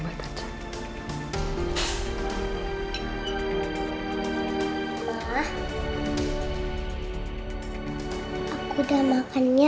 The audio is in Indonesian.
ma aku udah makan ya